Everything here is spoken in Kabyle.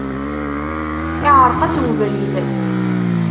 Iɛreq-as ubrid.